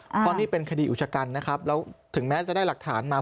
เพราะนี่เป็นคดีอุชกันนะครับแล้วถึงแม้จะได้หลักฐานมา